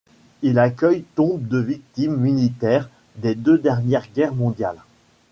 Il accueille tombes de victimes militaires des deux dernières guerres mondiales.